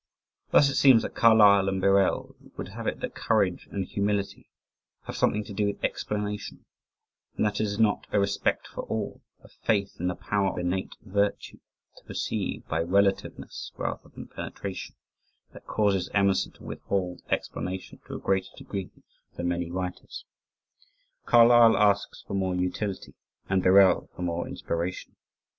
Thus it seems that Carlyle and Birrell would have it that courage and humility have something to do with "explanation" and that it is not "a respect for all" a faith in the power of "innate virtue" to perceive by "relativeness rather than penetration" that causes Emerson to withhold explanation to a greater degree than many writers. Carlyle asks for more utility, and Birrell for more inspiration.